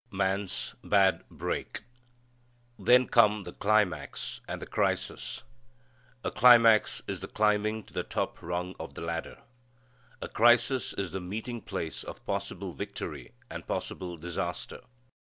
Man's Bad Break. Then come the climax and the crisis. A climax is the climbing to the top rung of the ladder. A crisis is the meeting place of possible victory and possible disaster.